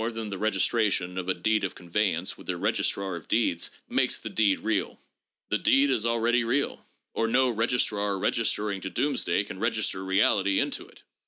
than the registration of a deed of conveyance with the registrar of deeds makes the deed real. The deed is already real, or no registrar registering to doomsday can register reality into it.